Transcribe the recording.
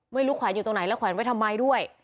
ไม่รู้ขวังอยู่ตรงไหนแล้วยออกมาทำไมด้วย